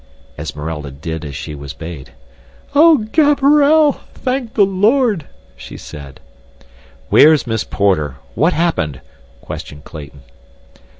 Esmeralda did as she was bade. "O Gaberelle! Thank the Lord," she said. "Where's Miss Porter? What happened?" questioned Clayton.